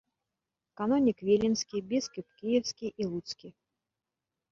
Канонік віленскі, біскуп кіеўскі і луцкі.